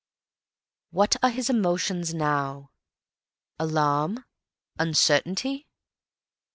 What are his emotions now? Alarm, uncertainty.